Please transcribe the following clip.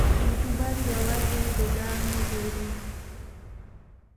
یوټوبر یوازې د ځان مه ګوري.